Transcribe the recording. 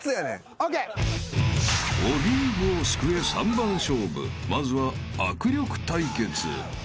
［オリーブを救え３番勝負まずは握力対決］